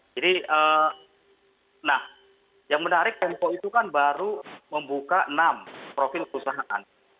jadi nah yang menarik tempo itu kan baru membuka enam profil perusahaan